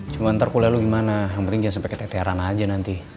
cuma ntar kuliah lo gimana yang penting jangan sampe ketek teran aja nanti